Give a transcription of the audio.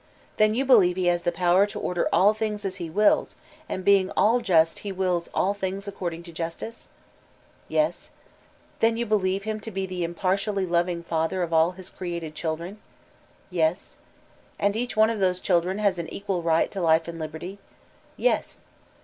"* "Then you believe he has the power to order all things as he wills, and being all just he wiUs all things according to justice?*' "Yes/* "Then you believe him to be the impartially loving father of all his created children r* "Yes. "And each one of those children has an equal right to life and liberty? "Yes.